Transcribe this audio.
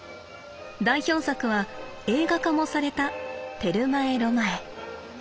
代表作は映画化もされた「テルマエ・ロマエ」。